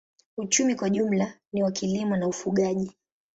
Uchumi kwa jumla ni wa kilimo na ufugaji.